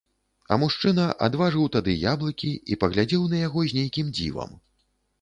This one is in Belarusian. А мужчына адважыў тады яблыкі і паглядзеў на яго з нейкім дзівам.